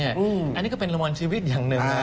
อันนี้ก็เป็นรางวัลชีวิตอย่างหนึ่งนะ